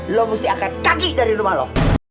lo mesti angkat kaki dari rumah lo